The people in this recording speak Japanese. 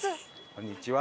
こんにちは。